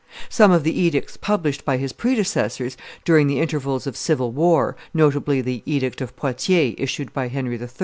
Some of the edicts published by his predecessors during the intervals of civil war, notably the edict of Poitiers issued by Henry III.